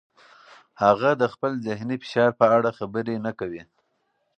هغه د خپل ذهني فشار په اړه خبرې نه کوي.